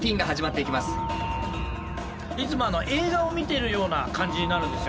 いつも映画を見てるような感じになるんですよ。